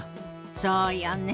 そうよね。